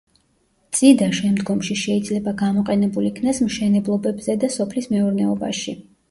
წიდა შემდგომში შეიძლება გამოყენებულ იქნას მშენებლობებზე და სოფლის მეურნეობაში.